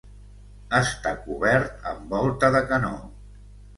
Està cobert amb volta de canó.